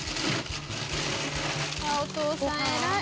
ああお父さん偉い！